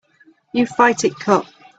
You fight it cut.